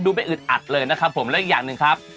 ไม่อึดอัดเลยนะครับผมและอีกอย่างหนึ่งครับ